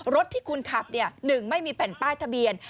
รถที่คุณขับ๑ไม่มีแผ่นป้ายทะเบียน